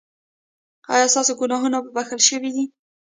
ایا ستاسو ګناهونه بښل شوي دي؟